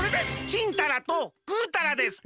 チンタラとグータラです。